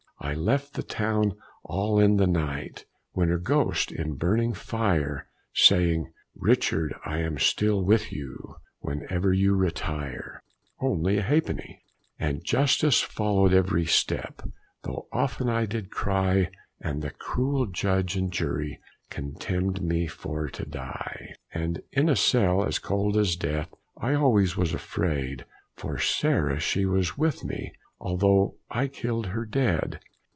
I left the town all in the night, When her ghost in burning fire, Saying, "Richard," I am still with you, Whenever you retire. Only a ha'penny! And justice follow'd every step, Though often I did cry; And the cruel Judge and Jury Condemned me for to die. And in a cell as cold as death, I always was afraid, For Sarah she was with me, Although I killed her dead.